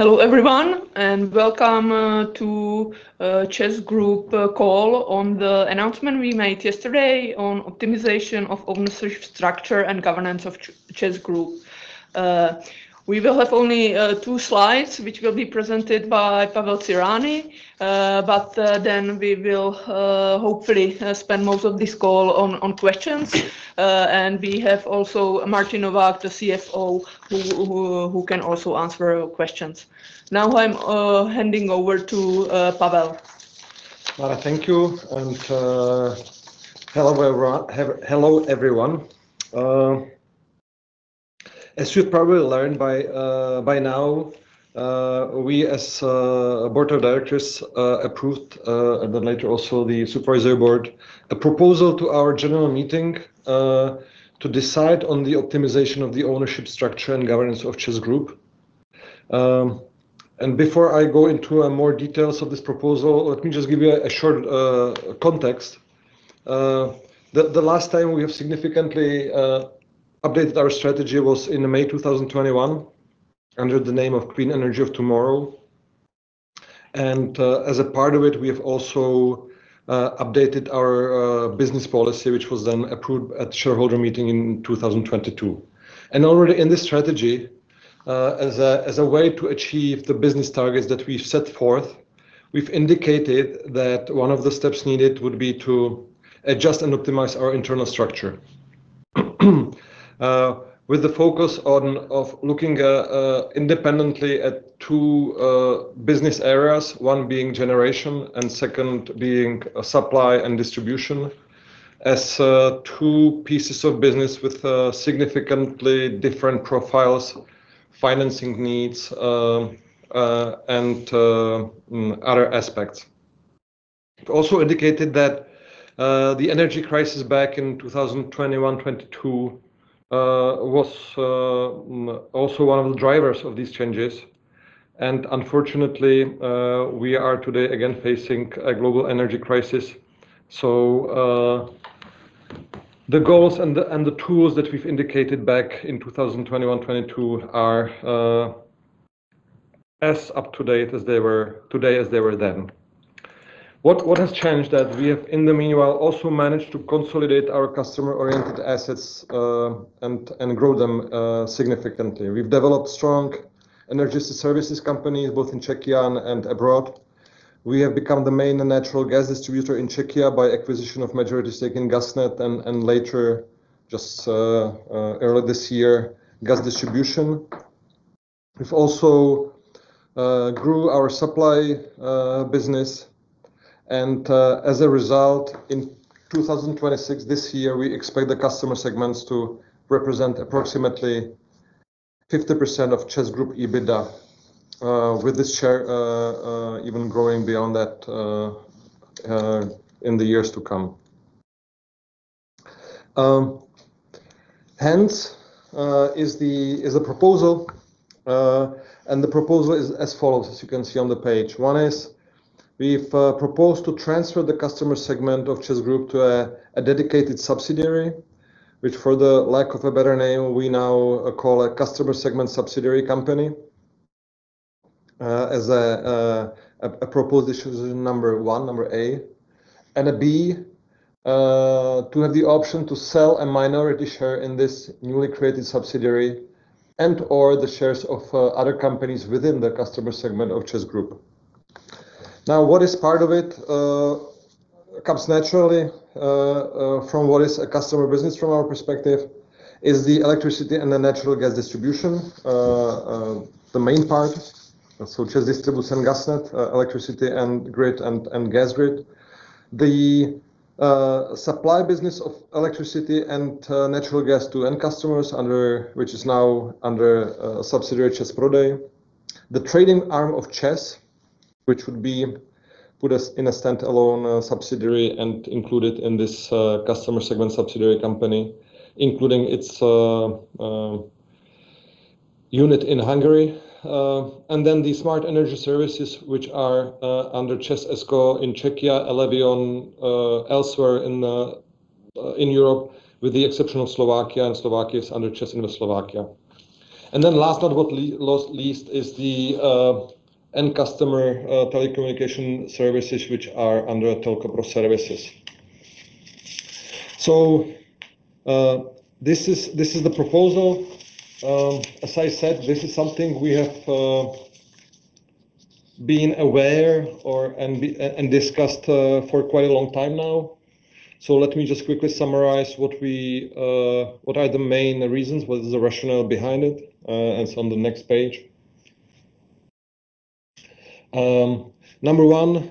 Hello everyone, and Welcome to ČEZ Group Call on the announcement we made yesterday on optimization of ownership structure and governance of ČEZ Group. We will have only two slides, which will be presented by Pavel Cyrani. We will hopefully spend most of this call on questions. We have also Martin Novák, the CFO, who can also answer your questions. Now I'm handing over to Pavel. Barbora, thank you, and hello everyone. As you've probably learned by now, we as a board of directors approved, and then later also the supervisory board, a proposal to our general meeting to decide on the optimization of the ownership structure and governance of ČEZ Group. Before I go into more details of this proposal, let me just give you a short context. The last time we have significantly updated our strategy was in May 2021, under the name of Clean Energy of Tomorrow. As a part of it, we have also updated our business policy, which was then approved at shareholder meeting in 2022. Already in this strategy, as a way to achieve the business targets that we've set forth, we've indicated that one of the steps needed would be to adjust and optimize our internal structure. With the focus of looking independently at two business areas, one being generation and second being supply and distribution, as two pieces of business with significantly different profiles, financing needs, and other aspects. It also indicated that the energy crisis back in 2021, 2022 was also one of the drivers of these changes. Unfortunately, we are today again facing a global energy crisis. The goals and the tools that we've indicated back in 2021, 2022 are as up-to-date today as they were then. What has changed that we have in the meanwhile also managed to consolidate our customer-oriented assets and grow them significantly. We've developed strong energy services companies both in Czechia and abroad. We have become the main natural gas distributor in Czechia by acquisition of majority stake in GasNet and later, just early this year, Gas Distribution. We've also grew our supply business and, as a result, in 2026 this year, we expect the customer segments to represent approximately 50% of ČEZ Group EBITDA, with this share even growing beyond that in the years to come. Hence, is a proposal, and the proposal is as follows, as you can see on the page. One is, we've proposed to transfer the customer segment of ČEZ Group to a dedicated subsidiary, which for the lack of a better name, we now call a customer segment subsidiary company, as a proposed issue number one, number A. And B, to have the option to sell a minority share in this newly created subsidiary and/or the shares of other companies within the customer segment of ČEZ Group. What is part of it comes naturally from what is a customer business from our perspective, is the electricity and the natural gas distribution, the main part. ČEZ Distribuce and GasNet, electricity and grid and gas grid. The supply business of electricity and natural gas to end customers, which is now under a subsidiary, ČEZ Prodej. The trading arm of ČEZ, which would be put in a standalone subsidiary and included in this customer segment subsidiary company, including its unit in Hungary. The smart energy services, which are under ČEZ ESCO in Czechia, Elevion elsewhere in Europe, with the exception of Slovakia, and Slovakia is under ČEZ Slovensko. Last but not least is the end customer telecommunication services, which are under Telco Pro Services. This is the proposal. As I said, this is something we have been aware of and discussed for quite a long time now. Let me just quickly summarize what are the main reasons, what is the rationale behind it. It's on the next page. Number one,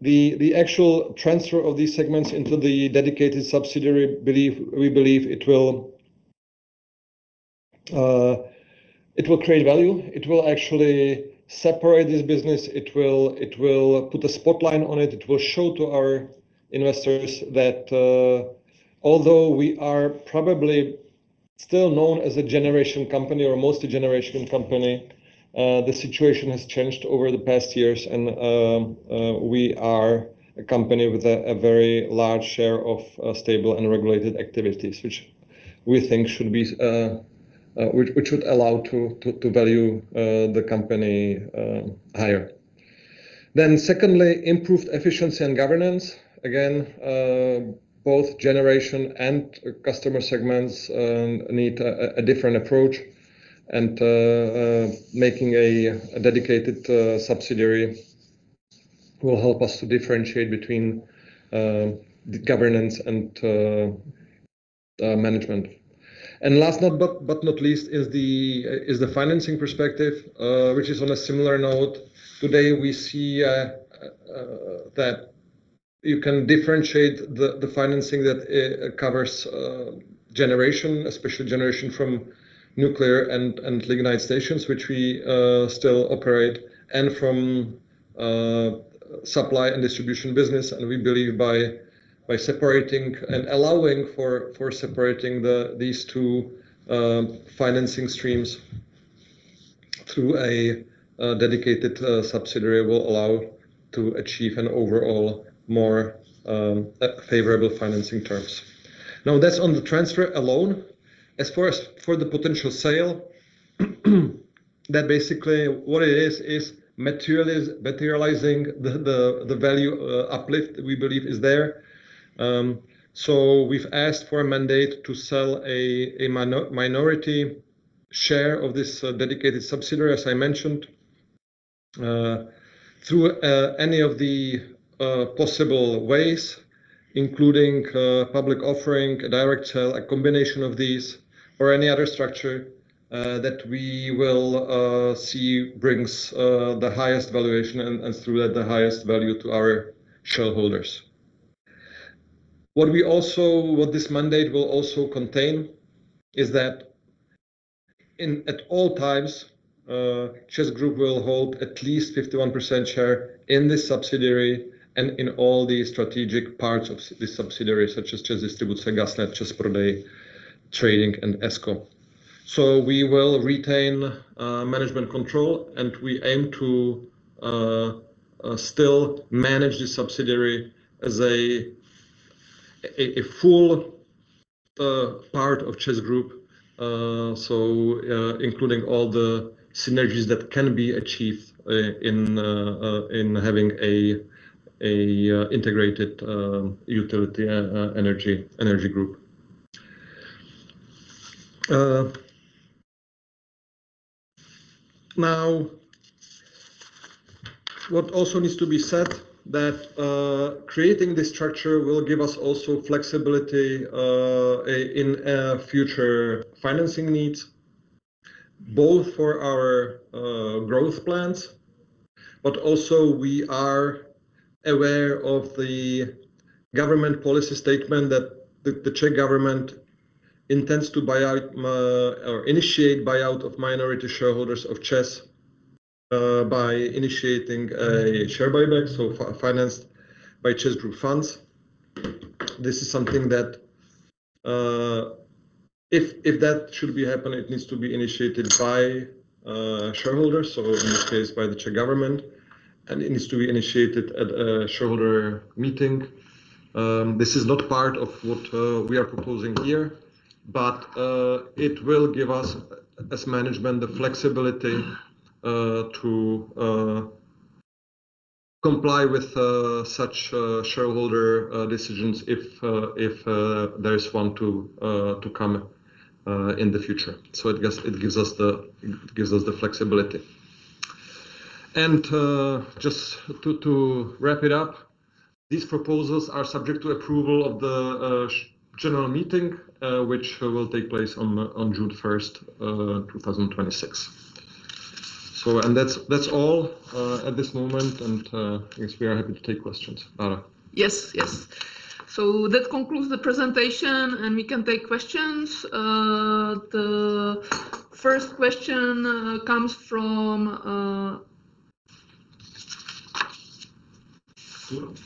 the actual transfer of these segments into the dedicated subsidiary, we believe it will create value. It will actually separate this business. It will put a spotlight on it. It will show to our investors that although we are probably still known as a generation company or mostly generation company, the situation has changed over the past years and we are a company with a very large share of stable and regulated activities, which should allow to value the company higher. Secondly, improved efficiency and governance. Again, both generation and customer segments need a different approach. Making a dedicated subsidiary will help us to differentiate between the governance and management. Last but not least is the financing perspective, which is on a similar note. Today, we see that you can differentiate the financing that covers generation, especially generation from nuclear and lignite stations, which we still operate, and from supply and distribution business. We believe by separating and allowing for separating these two financing streams through a dedicated subsidiary will allow to achieve an overall more favorable financing terms. Now, that's on the transfer alone. As far as for the potential sale, that's basically what it is materializing the value uplift we believe is there. We've asked for a mandate to sell a minority share of this dedicated subsidiary, as I mentioned, through any of the possible ways, including public offering, a direct sale, a combination of these or any other structure that we will see brings the highest valuation and through that, the highest value to our shareholders. What this mandate will also contain is that at all times, ČEZ Group will hold at least 51% share in this subsidiary and in all the strategic parts of this subsidiary, such as ČEZ Distribuce, GasNet, ČEZ Prodej, Trading, and ČEZ ESCO. We will retain management control, and we aim to still manage the subsidiary as a full part of ČEZ Group, so including all the synergies that can be achieved in having an integrated utility energy group. What also needs to be said that creating this structure will give us also flexibility in our future financing needs, both for our growth plans, but also we are aware of the government policy statement that the Czech government intends to buyout or initiate buyout of minority shareholders of ČEZ by initiating a share buyback financed by ČEZ Group funds. This is something that if that should be happening, it needs to be initiated by shareholders, so in this case, by the Czech government, and it needs to be initiated at a shareholder meeting. This is not part of what we are proposing here, but it will give us as management, the flexibility to comply with such shareholder decisions if there is one to come in the future. It gives us the flexibility. Just to wrap it up, these proposals are subject to approval of the general meeting, which will take place on June 1st, 2026. That's all at this moment. Yes, we are happy to take questions. Barbora? Yes. That concludes the presentation, and we can take questions. The first question comes from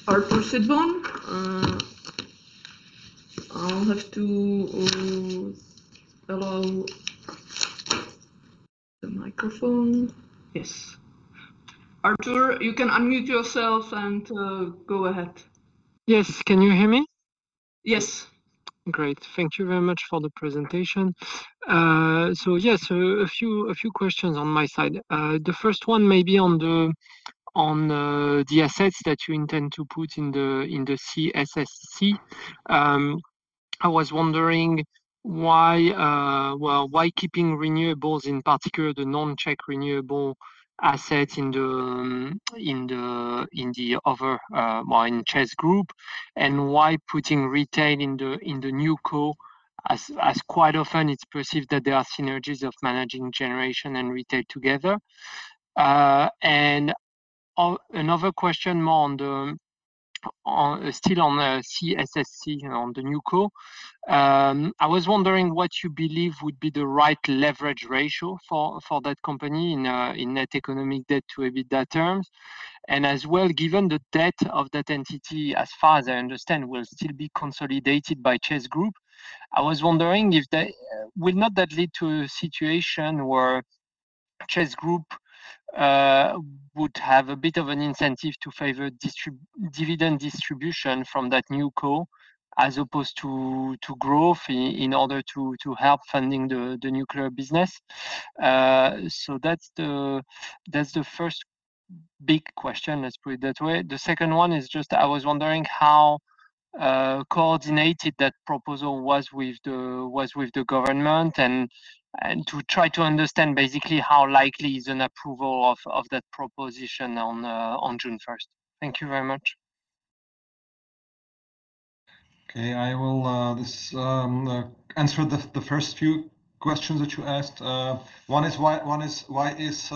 Arthur Sitbon. I'll have to allow the microphone. Yes. Arthur, you can unmute yourself and go ahead. Yes. Can you hear me? Yes. Great. Thank you very much for the presentation. Yes, a few questions on my side. The first one may be on the assets that you intend to put in the CSSC. I was wondering, well, why keeping renewables, in particular, the non-Czech renewable assets in the other, well, in ČEZ Group, and why putting retail in the NewCo as quite often it's perceived that there are synergies of managing generation and retail together? Another question more still on the CSSC, on the NewCo. I was wondering what you believe would be the right leverage ratio for that company in net debt to EBITDA terms. As well, given the debt of that entity, as far as I understand, will still be consolidated by ČEZ Group. I was wondering would not that lead to a situation where ČEZ Group would have a bit of an incentive to favor dividend distribution from that new co as opposed to growth in order to help funding the nuclear business? That's the first big question, let's put it that way. The second one is just, I was wondering how coordinated that proposal was with the government and to try to understand basically how likely is an approval of that proposition on June 1st. Thank you very much. Okay. I will answer the first few questions that you asked. One is why is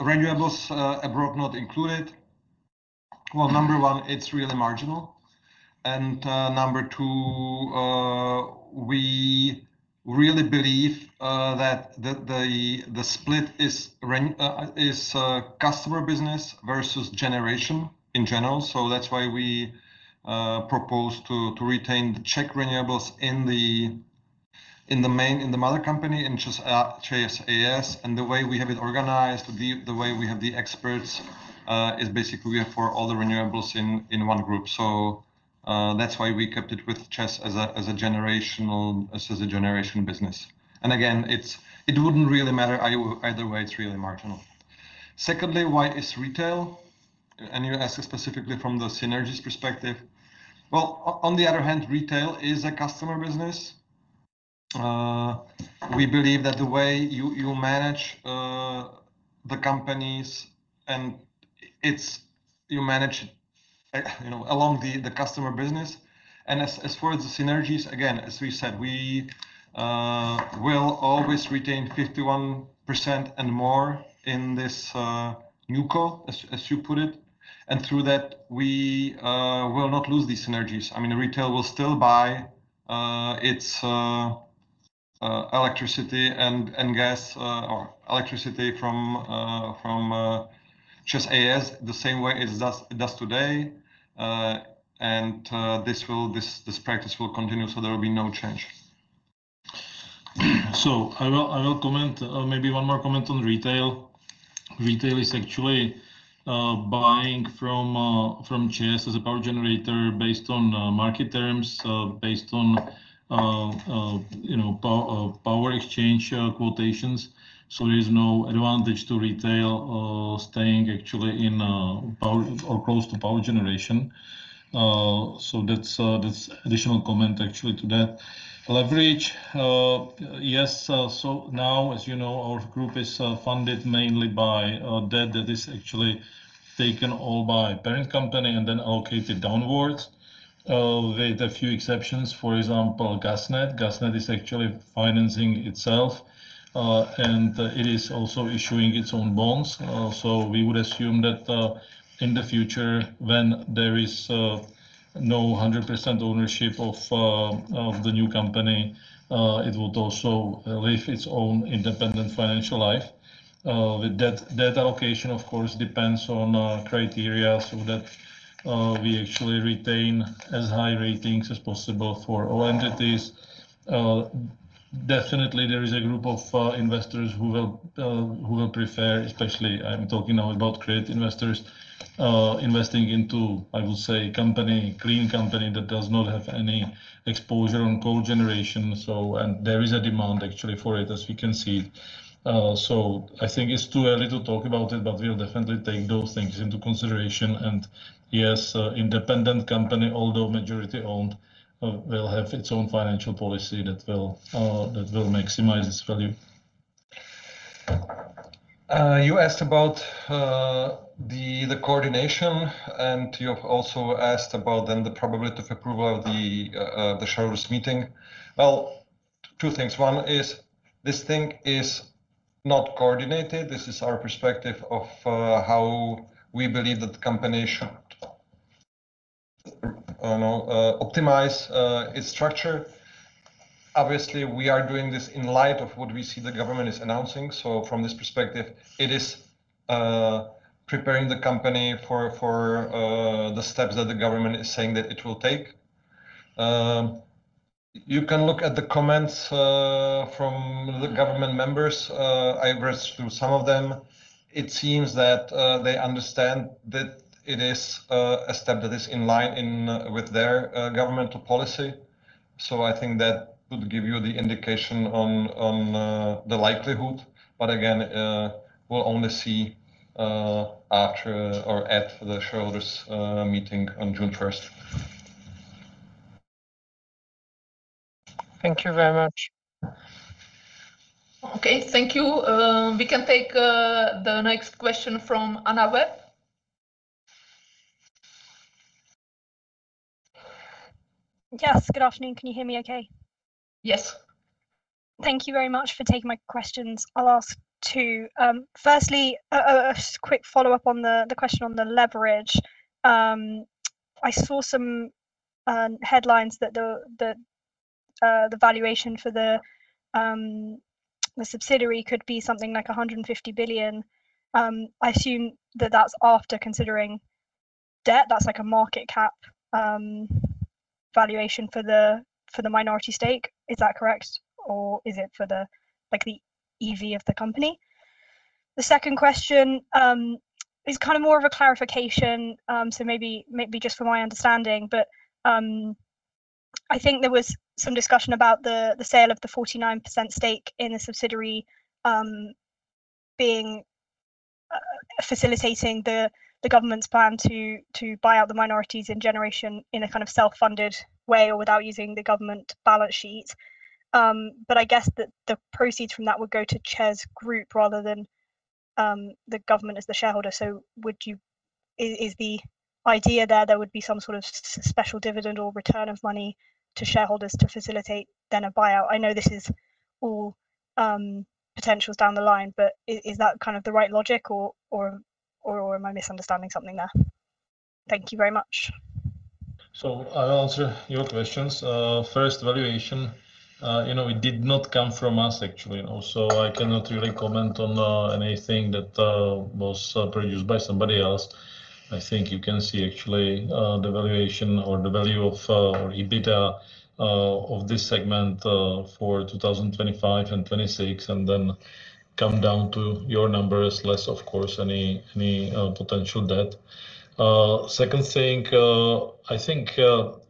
renewables abroad not included? Well, number one, it's really marginal. Number two, we really believe that the split is customer business versus generation in general. That's why we propose to retain the Czech renewables in the mother company, in just ČEZ, a. s. The way we have it organized, the way we have the experts is basically for all the renewables in one group. That's why we kept it with ČEZ, a. s. as a generation business. Again, it wouldn't really matter either way, it's really marginal. Secondly, why is retail? You asked specifically from the synergies perspective. Well, on the other hand, retail is a customer business. We believe that the way you manage the companies and you manage it along the customer business. As for the synergies, again, as we said, we will always retain 51% and more in this NewCo, as you put it, and through that, we will not lose these synergies. Retail will still buy its electricity from ČEZ, a.s. the same way it does today. This practice will continue, so there will be no change. I will comment, maybe one more comment on retail. Retail is actually buying from ČEZ as a power generator based on market terms, based on power exchange quotations. There is no advantage to retail staying actually in or close to power generation. That's additional comment actually to that. Leverage, yes, now as you know, our group is funded mainly by debt that is actually taken all by parent company and then allocated downwards, with a few exceptions. For example, GasNet. GasNet is actually financing itself, and it is also issuing its own bonds. We would assume that in the future, when there is no 100% ownership of the new company, it would also live its own independent financial life. That allocation of course, depends on criteria so that we actually retain as high ratings as possible for all entities. Definitely, there is a group of investors who will prefer, especially I'm talking now about credit investors, investing into, I would say, clean company that does not have any exposure to cogeneration. There is a demand actually for it as we can see. I think it's too early to talk about it, but we'll definitely take those things into consideration. Yes, independent company, although majority-owned, will have its own financial policy that will maximize its value. You asked about the coordination, and you also asked about then the probability of approval of the shareholders meeting. Well, two things. One is this thing is not coordinated. This is our perspective of how we believe that the company should optimize its structure. Obviously, we are doing this in light of what we see the government is announcing. From this perspective, it is preparing the company for the steps that the government is saying that it will take. You can look at the comments from the government members. I've read through some of them. It seems that they understand that it is a step that is in line with their governmental policy. I think that would give you the indication on the likelihood, but again, we'll only see at the shareholders meeting on June 1st. Thank you very much. Okay. Thank you. We can take the next question from Anna Webb. Yes. Good afternoon. Can you hear me okay? Yes. Thank you very much for taking my questions. I'll ask two. Firstly, a quick follow-up on the question on the leverage. I saw some headlines that the valuation for the subsidiary could be something like 150 billion. I assume that that's after considering debt. That's like a market cap valuation for the minority stake. Is that correct? Or is it for the EV of the company? The second question is more of a clarification, so maybe just for my understanding, but I think there was some discussion about the sale of the 49% stake in a subsidiary facilitating the government's plan to buy out the minorities in generation in a kind of self-funded way or without using the government balance sheet. I guess that the proceeds from that would go to ČEZ Group rather than the government as the shareholder. Is the idea there would be some sort of special dividend or return of money to shareholders to facilitate then a buyout? I know this is all potentials down the line, but is that kind of the right logic or am I misunderstanding something there? Thank you very much. I'll answer your questions. First, valuation. It did not come from us actually, and also I cannot really comment on anything that was produced by somebody else. I think you can see actually the valuation or the value of EBITDA of this segment for 2025 and 2026 and then come down to your numbers less, of course, any potential debt. Second thing, I think,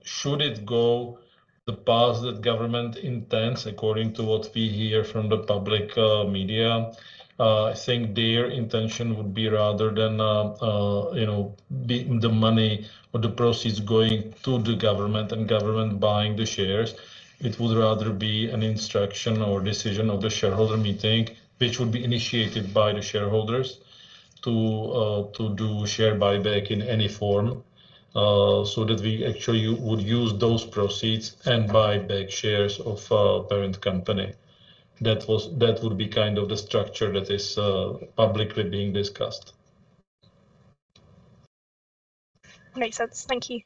should it go the path that government intends, according to what we hear from the public media, I think their intention would be rather than the money or the proceeds going to the government and government buying the shares, it would rather be an instruction or decision of the shareholder meeting, which would be initiated by the shareholders to do share buyback in any form, so that we actually would use those proceeds and buy back shares of parent company. That would be kind of the structure that is publicly being discussed. Makes sense. Thank you.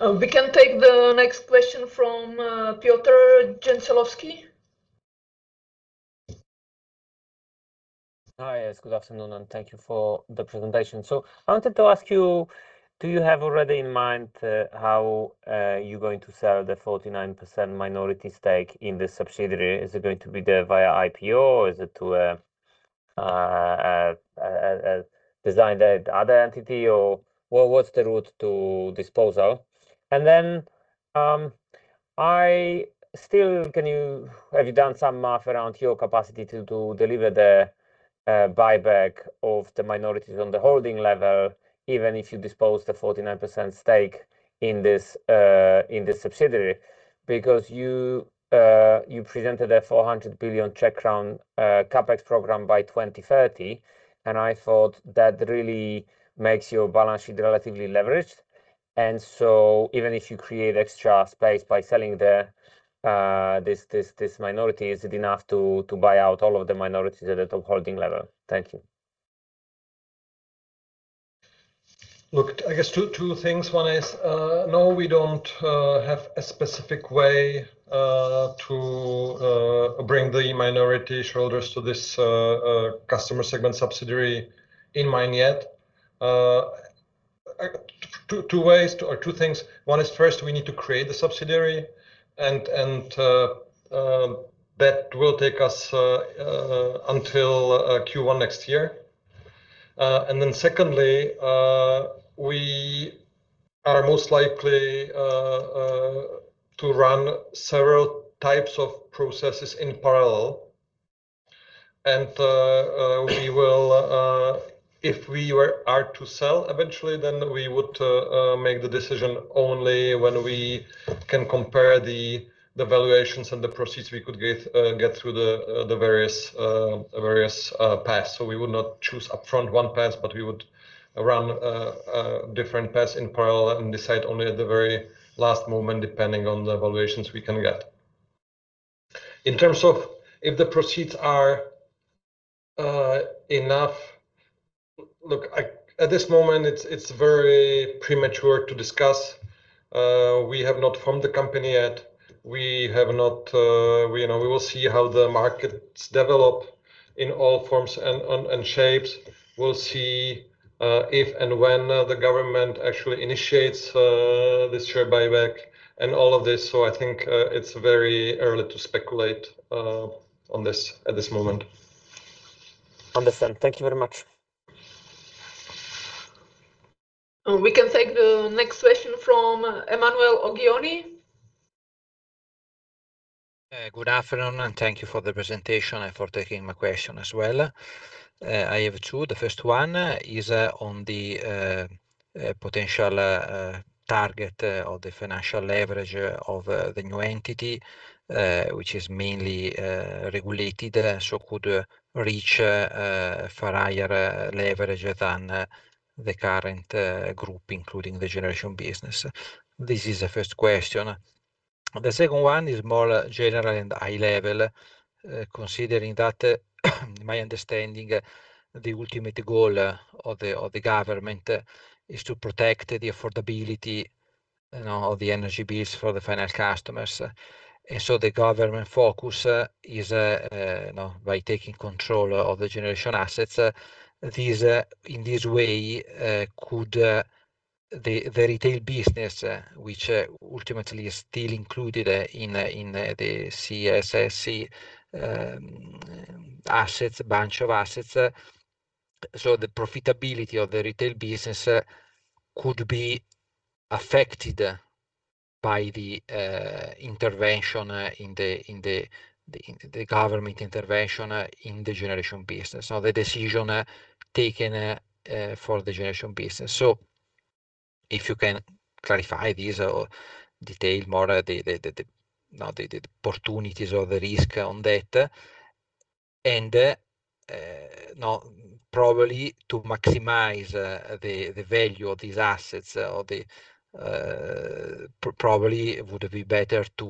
We can take the next question from Piotr Dzieciolowski. Hi, yes. Good afternoon, and thank you for the presentation. I wanted to ask you, do you have already in mind how you're going to sell the 49% minority stake in the subsidiary? Is it going to be there via IPO or is it to design the other entity? Or what's the route to disposal? Have you done some math around your capacity to deliver the buyback of the minorities on the holding level, even if you dispose the 49% stake in this subsidiary? Because you presented a 426 billion CapEx program by 2030, and I thought that really makes your balance sheet relatively leveraged. Even if you create extra space by selling this minority, is it enough to buy out all of the minorities at a top holding level? Thank you. Look, I guess two things. One is, no, we don't have a specific way to bring the minority shareholders to this customer segment subsidiary in mind yet. Two ways or two things. One is first we need to create the subsidiary, and that will take us until Q1 next year. Secondly, we are most likely to run several types of processes in parallel. If we are to sell eventually, then we would make the decision only when we can compare the valuations and the proceeds we could get through the various paths. We would not choose upfront one path, but we would run different paths in parallel and decide only at the very last moment, depending on the valuations we can get. In terms of if the proceeds are enough, look, at this moment, it's very premature to discuss. We have not formed the company yet. We will see how the markets develop in all forms and shapes. We'll see if and when the government actually initiates this share buyback and all of this. I think it's very early to speculate on this at this moment. Understood. Thank you very much. We can take the next question from Emanuele Oggioni. Good afternoon, and thank you for the presentation and for taking my question as well. I have two. The first one is on the potential target of the financial leverage of the new entity, which is mainly regulated, so could reach a far higher leverage than the current group, including the generation business. This is the first question. The second one is more general and high level. Considering that, my understanding, the ultimate goal of the government is to protect the affordability of the energy bills for the final customers. The government focus is by taking control of the generation assets. In this way, could the retail business, which ultimately is still included in the CSSC assets, a bunch of assets. So the profitability of the retail business could be affected by the government intervention in the generation business, or the decision taken for the generation business. If you can clarify this or detail more the opportunities or the risk on that? Probably to maximize the value of these assets, probably it would be better to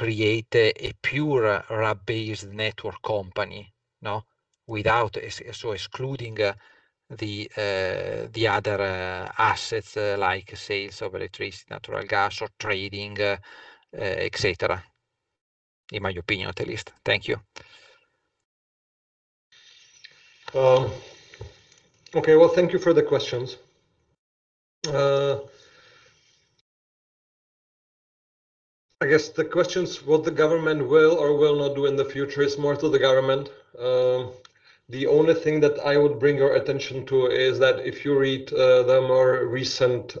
create a pure RAB-based network company without excluding the other assets like sales of electricity, natural gas or trading, et cetera. In my opinion, at least. Thank you. Okay. Well, thank you for the questions. I guess the questions what the government will or will not do in the future is more to the government. The only thing that I would bring your attention to is that if you read the more recent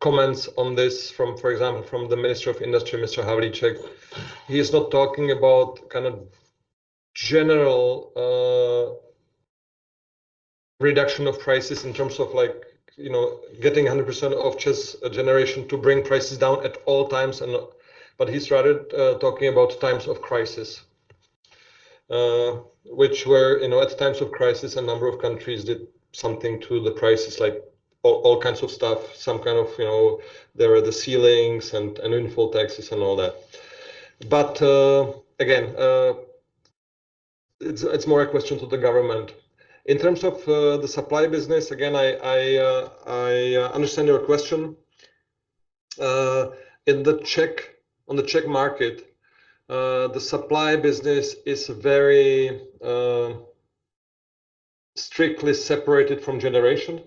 comments on this, for example, from the Minister of Industry, Mr. Havlíček, he is not talking about general reduction of prices in terms of getting 100% of just a generation to bring prices down at all times. He started talking about times of crisis. Which were, at times of crisis, a number of countries did something to the prices, all kinds of stuff. There were the ceilings and windfall taxes and all that. Again, it's more a question to the government. In terms of the supply business, again, I understand your question. On the Czech market, the supply business is very strictly separated from generation.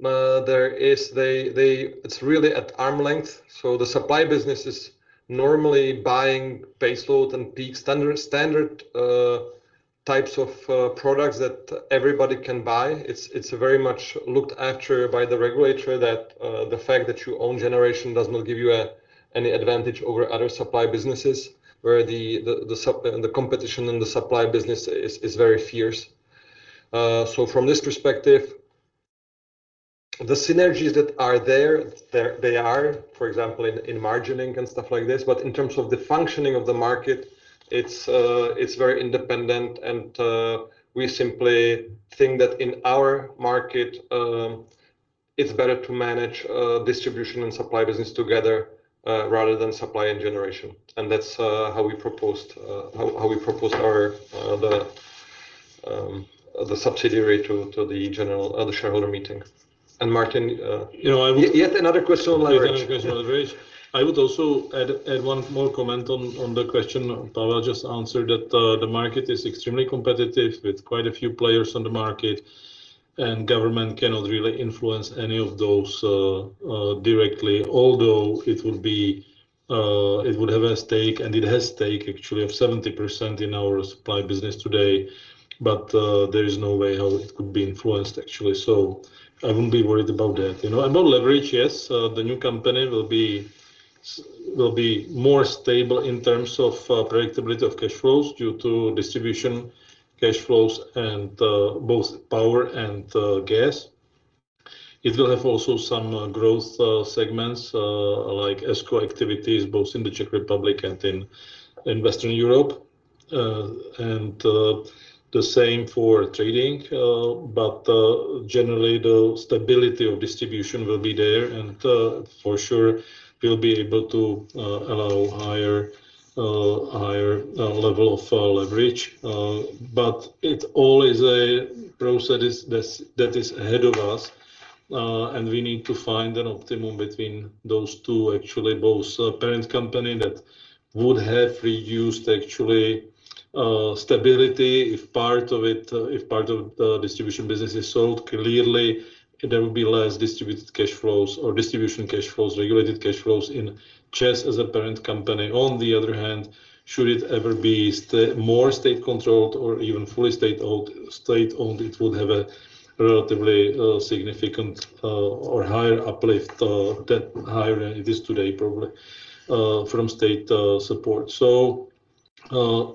It's really at arm's length. The supply business is normally buying baseload and peak standard types of products that everybody can buy. It's very much looked after by the regulator that the fact that you own generation does not give you any advantage over other supply businesses, where the competition in the supply business is very fierce. From this perspective, the synergies that are there, they are, for example, in margining and stuff like this. But in terms of the functioning of the market, it's very independent and we simply think that in our market, it's better to manage distribution and supply business together, rather than supply and generation. That's how we proposed the subsidiary to the shareholder meeting. Martin- You know, I would. Yet another question on leverage. Yet another question on leverage. I would also add one more comment on the question Pavel just answered, that the market is extremely competitive with quite a few players on the market, and government cannot really influence any of those directly. Although it would have a stake, and it has stake, actually, of 70% in our supply business today, but there is no way how it could be influenced, actually. I wouldn't be worried about that. On leverage, yes, the new company will be more stable in terms of predictability of cash flows due to distribution cash flows in both power and gas. It will have also some growth segments, like ESCO activities both in the Czech Republic and in Western Europe. The same for trading. Generally, the stability of distribution will be there, and for sure we'll be able to allow a higher level of leverage. It all is a process that is ahead of us. We need to find an optimum between those two, actually, both parent company that would have reduced, actually, stability if part of the distribution business is sold. Clearly, there will be less distributed cash flows or distribution cash flows, regulated cash flows in ČEZ as a parent company. On the other hand, should it ever be more state-controlled or even fully state-owned, it would have a relatively significant or higher uplift, higher than it is today, probably, from state support.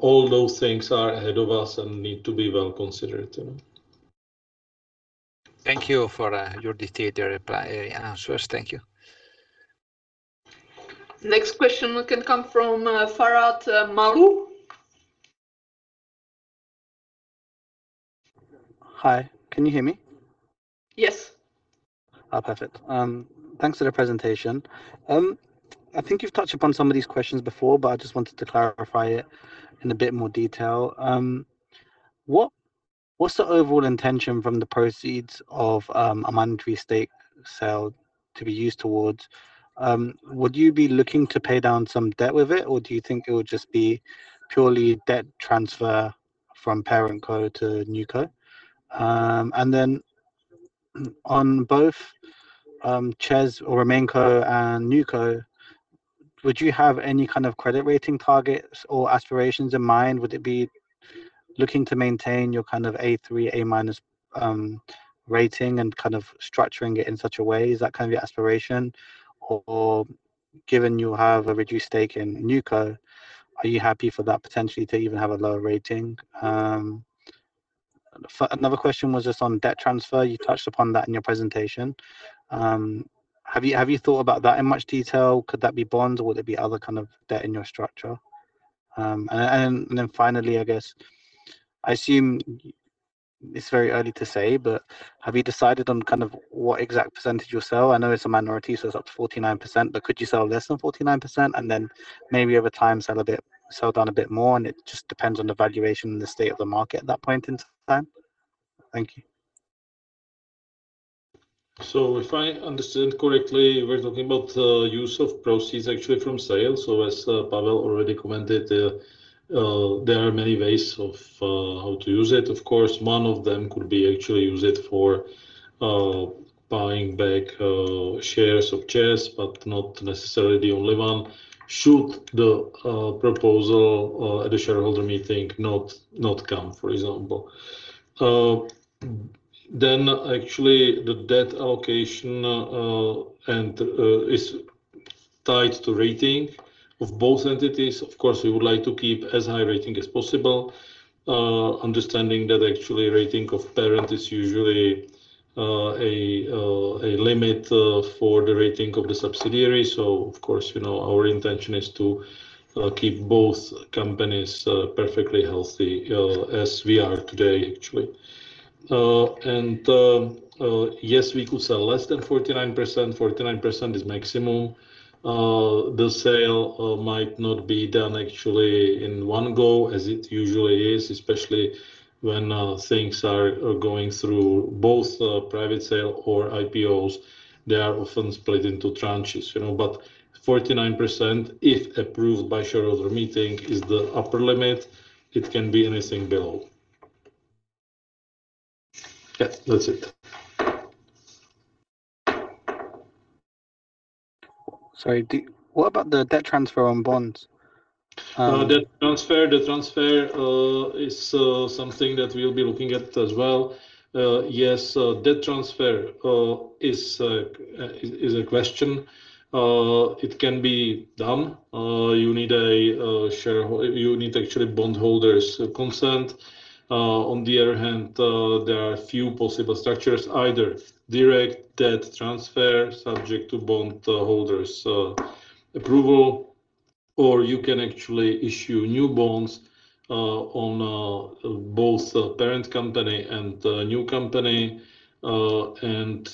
All those things are ahead of us and need to be well considered. Thank you for your detailed answers. Thank you. Next question can come from Farhad Maru. Hi, can you hear me? Yes. Perfect. Thanks for the presentation. I think you've touched upon some of these questions before, but I just wanted to clarify it in a bit more detail. What's the overall intention from the proceeds of a minority stake sale to be used towards? Would you be looking to pay down some debt with it, or do you think it would just be purely debt transfer from parent co to NewCo? And then on both ČEZ or main co and NewCo, would you have any kind of credit rating targets or aspirations in mind? Would it be looking to maintain your kind of A3, A- rating and kind of structuring it in such a way? Is that kind of your aspiration? Or given you have a reduced stake in NewCo, are you happy for that potentially to even have a lower rating? Another question was just on debt transfer. You touched upon that in your presentation. Have you thought about that in much detail? Could that be bonds or would it be other kind of debt in your structure? Finally, I guess, I assume it is very early to say, but have you decided on what exact percentage you will sell? I know it is a minority, so it is up to 49%, but could you sell less than 49% and then maybe over time sell down a bit more, and it just depends on the valuation and the state of the market at that point in time? Thank you. If I understood correctly, we are talking about use of proceeds actually from sale. As Pavel already commented, there are many ways of how to use it. Of course, one of them could be actually use it for buying back shares of ČEZ, but not necessarily the only one should the proposal at the shareholder meeting not come, for example. Actually the debt allocation is tied to rating of both entities. Of course, we would like to keep as high rating as possible, understanding that actually rating of parent is usually a limit for the rating of the subsidiary. Of course, our intention is to keep both companies perfectly healthy as we are today, actually. Yes, we could sell less than 49%. 49% is maximum. The sale might not be done actually in one go as it usually is, especially when things are going through both private sale or IPOs. They are often split into tranches. 49%, if approved by shareholder meeting, is the upper limit. It can be anything below. Yeah. That's it. Sorry. What about the debt transfer on bonds? Debt transfer is something that we will be looking at as well. Yes, debt transfer is a question. It can be done. You need actually bondholders' consent. On the other hand, there are a few possible structures, either direct debt transfer subject to bondholders' approval, or you can actually issue new bonds on both parent company and new company and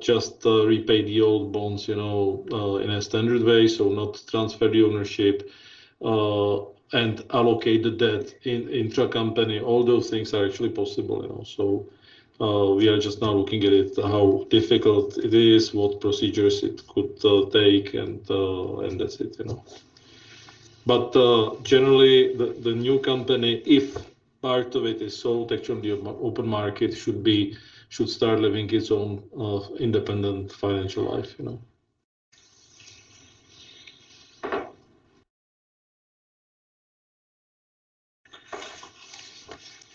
just repay the old bonds in a standard way. Not transfer the ownership and allocate the debt intra company. All those things are actually possible. We are just now looking at it, how difficult it is, what procedures it could take, and that's it. Generally, the new company, if part of it is sold actually on the open market, should start living its own independent financial life.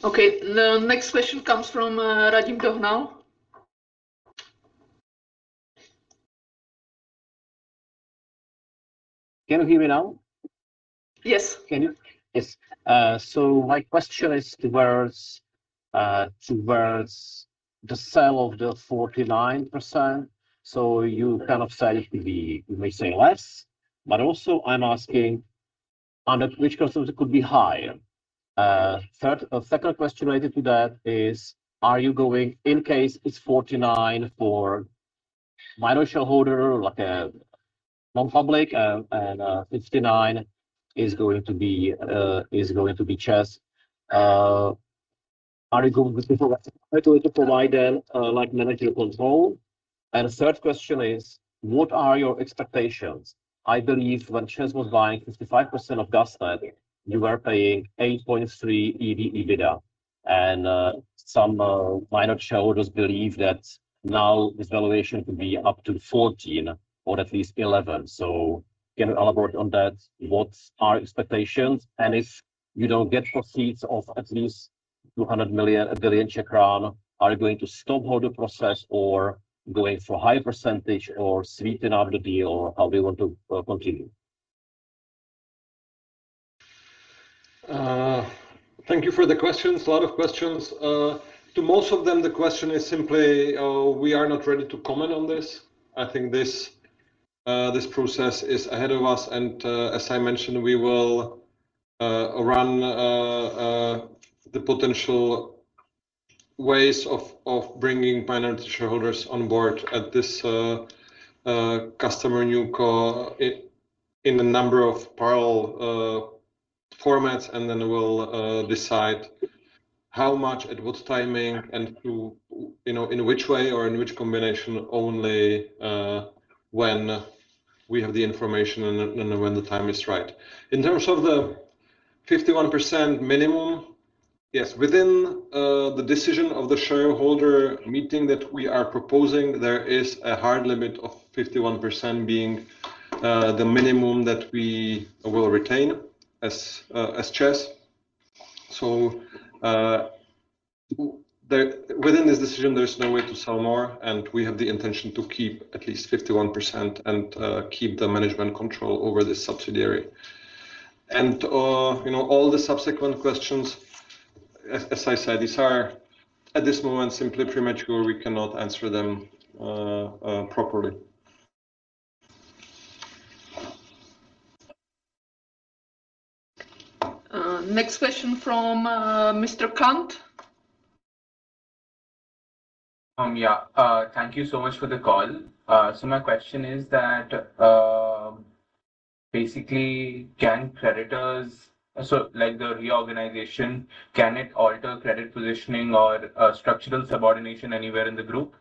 Okay. The next question comes from Radim Dohnal. Can you hear me now? Yes. Can you? Yes. My question is towards the sale of the 49%. You kind of said we may sell less, but also I'm asking under which circumstance could be higher? A second question related to that is, are you going in case it's 49% for minor shareholder, like a non-public, and 59% is going to be ČEZ. Are you going to provide a managerial control? And third question is, what are your expectations? I believe when ČEZ was buying 55% of GasNet, you were paying 8.3 EV/EBITDA, and some minor shareholders believe that now this valuation could be up to 14 or at least 11. Can you elaborate on that? What are expectations? If you don't get proceeds of at least 200 million or 1 billion Czech crowns, are you going to stop the process or going for high percentage or sweeten up the deal? How do you want to continue? Thank you for the questions. A lot of questions. To most of them the question is simply, we are not ready to comment on this. I think this process is ahead of us, and as I mentioned, we will run the potential ways of bringing minority shareholders on board at this customer NewCo in a number of parallel formats, and then we will decide how much, at what timing, and in which way or in which combination only when we have the information and when the time is right. In terms of the 51% minimum. Yes, within the decision of the shareholder meeting that we are proposing, there is a hard limit of 51% being the minimum that we will retain as ČEZ. Within this decision, there is no way to sell more, and we have the intention to keep at least 51% and keep the management control over this subsidiary. All the subsequent questions, as I said, these are at this moment simply premature. We cannot answer them properly. Next question from Mr. Kant. Yeah. Thank you so much for the call. My question is that, basically, the reorganization, can it alter credit positioning or structural subordination anywhere in the group?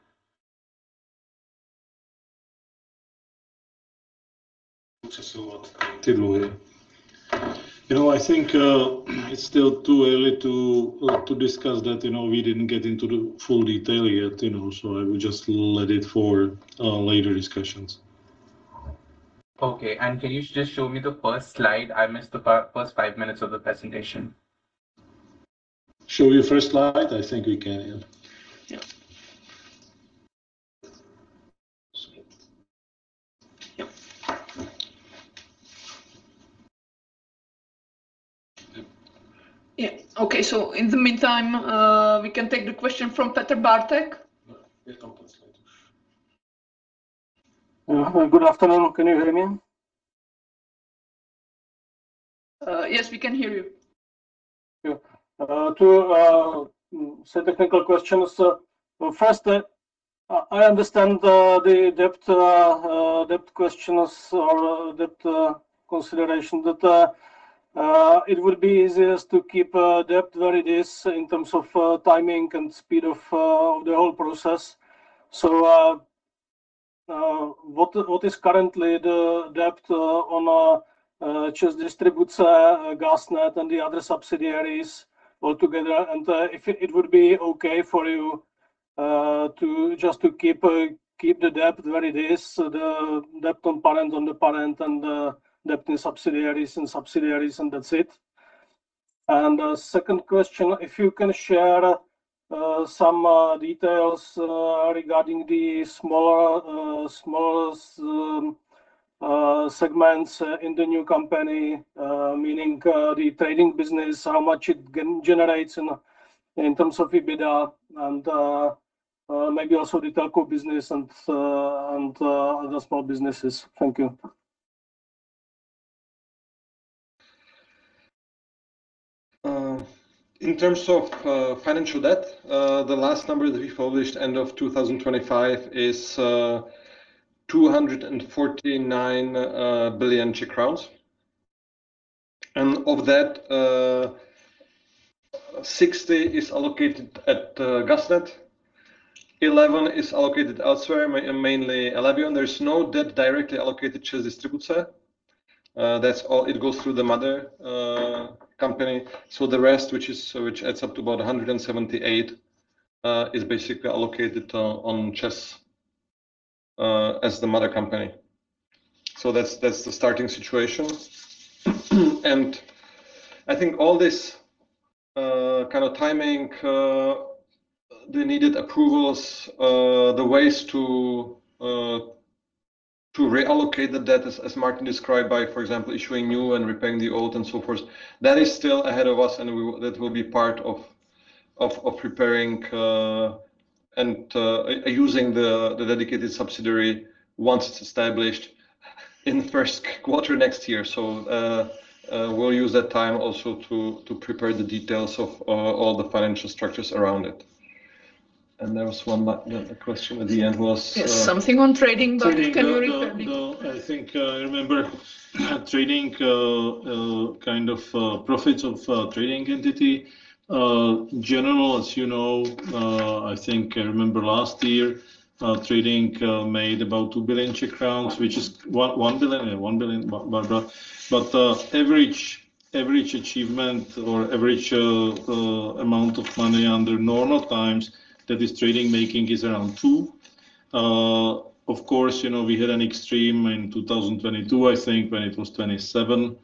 You know, I think it's still too early to discuss that. We didn't get into the full detail yet, so I will just leave it for later discussions. Okay. Can you just show me the first slide? I missed the first five minutes of the presentation. Show your first slide? I think we can, yeah. Okay. In the meantime, we can take the question from Petr Bártek. Yeah, it comes later. Good afternoon. Can you hear me? Yes, we can hear you. Yeah. Two sets of technical questions. First, I understand the debt questions or debt consideration, that it would be easiest to keep debt where it is in terms of timing and speed of the whole process. What is currently the debt on ČEZ Distribuce, GasNet, and the other subsidiaries all together? If it would be okay for you just to keep the debt where it is, the debt component on the parent and the debt in subsidiaries and that's it. Second question, if you can share some details regarding the smaller segments in the new company, meaning the trading business, how much it generates in terms of EBITDA and maybe also the telco business and other small businesses. Thank you. In terms of financial debt, the last number that we published end of 2025 is 249 billion Czech crowns. Of that, 60 billion is allocated at GasNet, 11 billion is allocated elsewhere, mainly Elevion. There is no debt directly allocated to ČEZ Distribuce. That's all. It goes through the mother company. The rest, which adds up to about 178 billion, is basically allocated on ČEZ as the mother company. That's the starting situation. I think all this timing, the needed approvals, the ways to reallocate the debt, as Martin described, by, for example, issuing new and repaying the old and so forth, that is still ahead of us and that will be part of preparing and using the dedicated subsidiary once it's established in the first quarter next year. We'll use that time also to prepare the details of all the financial structures around it. There was one question at the end. Yes, something on trading, but can you repeat maybe? No, I think I remember trading kind of profits of trading entity. General, as you know, I think I remember last year, trading made about 2 billion Czech crowns, which is 1 billion, but the average achievement or average amount of money under normal times that is trading making is around 2. Of course, we had an extreme in 2022, I think, when it was 27,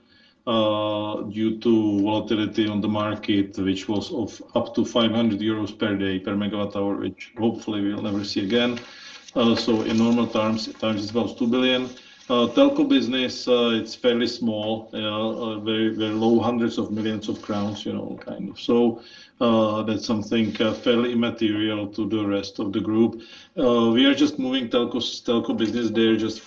due to volatility on the market, which was of up to €500 per day per megawatt hour, which hopefully we'll never see again. In normal times, it's about 2 billion. Telco business, it's fairly small. Very low hundreds of millions of CZK, kind of. That's something fairly immaterial to the rest of the group. We are just moving telco business there just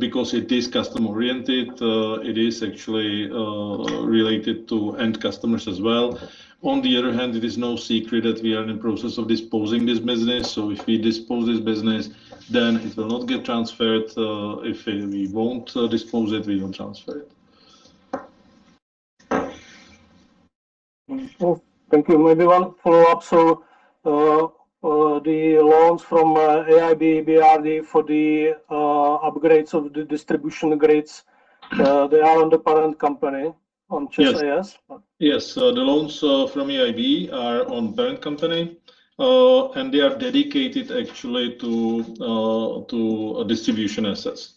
because it is customer-oriented. It is actually related to end customers as well. On the other hand, it is no secret that we are in the process of disposing this business. If we dispose this business, then it will not get transferred. If we won't dispose it, we won't transfer it. Thank you. Maybe one follow-up. The loans from EIB, EBRD for the upgrades of the distribution grids, they are on the parent company on ČEZ? Yes. The loans from EIB are on parent company, and they are dedicated actually to distribution assets.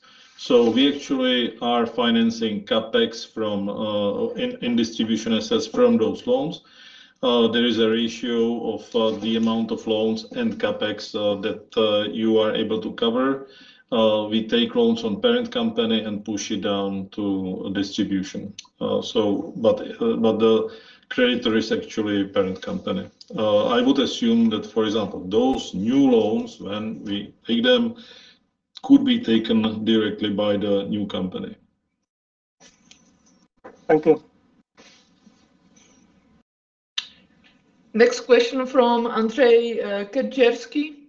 We actually are financing CapEx in distribution assets from those loans. There is a ratio of the amount of loans and CapEx that you are able to cover. We take loans on parent company and push it down to distribution. The creditor is actually parent company. I would assume that, for example, those new loans, when we take them, could be taken directly by the new company. Thank you. Next question from Andrzej Kędzierski.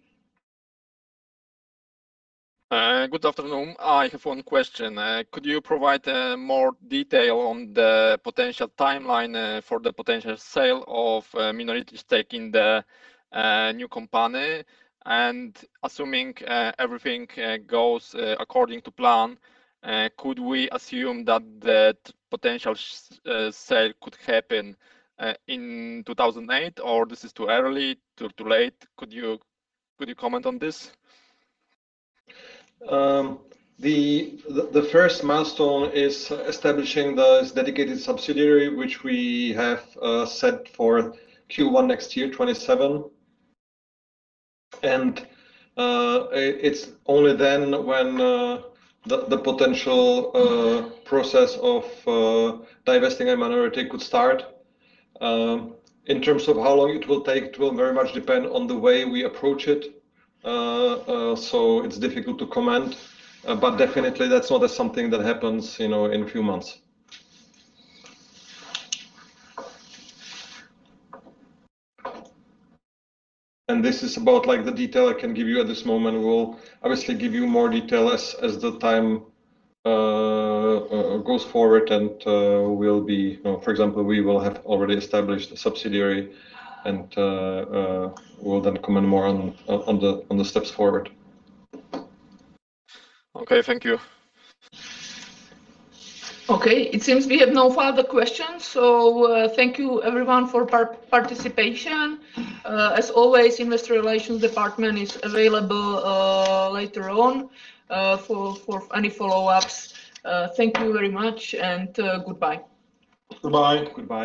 Good afternoon. I have one question. Could you provide more detail on the potential timeline for the potential sale of a minority stake in the new company? Assuming everything goes according to plan, could we assume that potential sale could happen in 2008, or this is too early, too late? Could you comment on this? The first milestone is establishing this dedicated subsidiary, which we have set for Q1 2027. It's only then when the potential process of divesting a minority could start. In terms of how long it will take, it will very much depend on the way we approach it. It's difficult to comment. Definitely that's not something that happens in a few months. This is about the detail I can give you at this moment. We will obviously give you more detail as the time goes forward and, for example, we will have already established a subsidiary and we'll then comment more on the steps forward. Okay. Thank you. Okay. It seems we have no further questions, so thank you everyone for participation. As always, investor relations department is available later on for any follow-ups. Thank you very much and goodbye. Goodbye. Goodbye.